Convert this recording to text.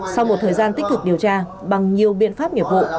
sau một thời gian tích cực điều tra bằng nhiều biện pháp nghiệp vụ